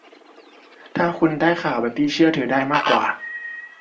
ถ้าคุณได้ข่าวแบบที่เชื่อถือได้มากว่า